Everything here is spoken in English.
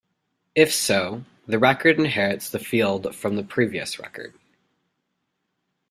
If so, the record inherits the field from the previous record.